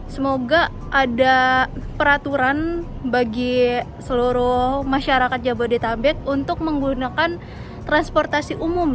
semoga ada peraturan bagi seluruh masyarakat jabodetabek untuk menggunakan transportasi umum